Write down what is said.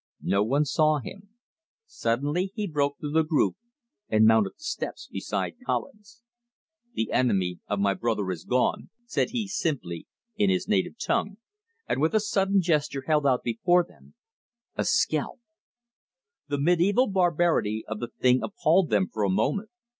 No one saw him. Suddenly he broke through the group and mounted the steps beside Collins. "The enemy of my brother is gone," said he simply in his native tongue, and with a sudden gesture held out before them a scalp. The medieval barbarity of the thing appalled them for a moment.